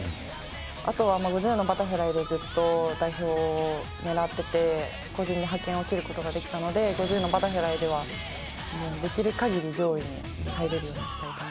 あとは５０のバタフライでずっと代表を狙ってて個人で派遣を切る事ができたので５０のバタフライではできる限り上位に入れるようにしたいと思います。